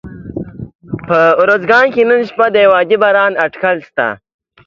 په اروزګان کي نن شپه د یوه عادي باران اټکل سته